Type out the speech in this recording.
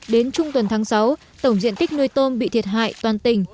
đến trung tuần tháng sáu tổng diện tích nuôi tôm bị thiệt hại toàn tỉnh